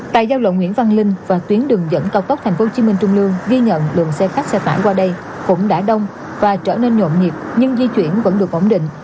tại giao lộ nguyễn văn linh và tuyến đường dẫn cao tốc tp hcm trung lương ghi nhận lượng xe khách xe tải qua đây cũng đã đông và trở nên nhộn nhịp nhưng di chuyển vẫn được ổn định